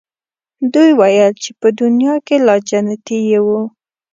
دوی ویل چې په دنیا کې لا جنتیی وو.